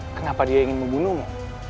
kenapa dia ingin membunuhmu